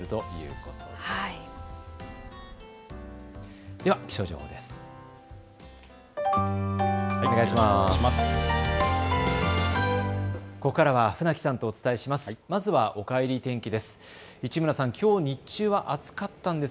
ここからは船木さんとお伝えします。